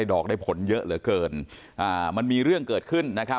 รวมแล้ว